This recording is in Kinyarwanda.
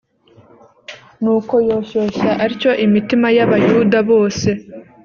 nuko yoshyoshya atyo imitima y abayuda bose